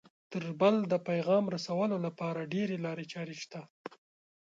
تر بل د پیغام رسولو لپاره ډېرې لارې چارې شته